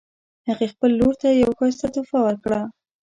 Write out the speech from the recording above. هغې خپل لور ته یوه ښایسته تحفه ورکړه